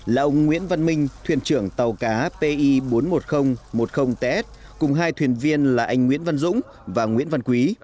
là ông nguyễn văn minh thuyền trưởng tàu cá pi bốn mươi một nghìn một mươi ts cùng hai thuyền viên là anh nguyễn văn dũng và nguyễn văn quý